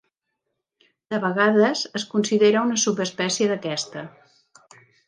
De vegades es considera una subespècie d'aquesta.